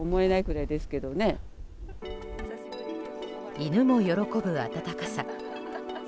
犬も喜ぶ暖かさ。